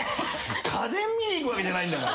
家電見に行くわけじゃないんだから。